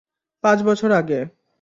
পাঁচ বছর আগে।